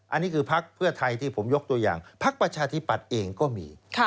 อันนี้คือพักเพื่อไทยที่ผมยกตัวอย่างพักประชาธิปัตย์เองก็มี